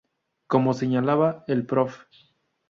Como señalaba el Prof.